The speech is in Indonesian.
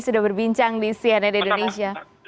sudah berbincang di cnn indonesia